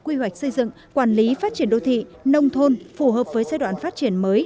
quy hoạch xây dựng quản lý phát triển đô thị nông thôn phù hợp với giai đoạn phát triển mới